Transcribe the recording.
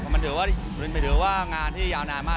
มันถือว่างานที่ยาวนานมาก